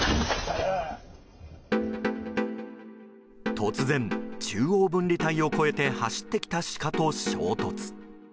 突然、中央分離帯を越えて走ってきたシカと衝突。